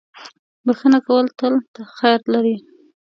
• بښنه کول تل خیر لري.